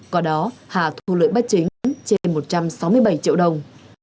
có đó hà thu lợi bất chính trên một trăm sáu mươi bảy triệu đồng